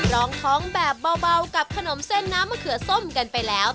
ร้องท้องแบบเบากับขนมเส้นน้ำมะเขือส้มกันไปแล้ว